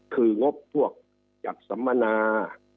คืองบพวกจากสมนา